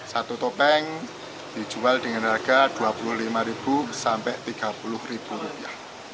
satu topeng dijual dengan harga dua puluh lima sampai tiga puluh rupiah